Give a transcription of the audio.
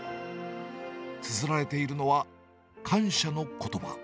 つづられているのは、感謝のことば。